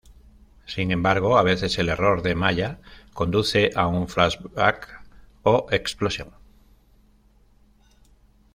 Sin embargo, a veces el error de malla, conduce a un flash-back o explosión.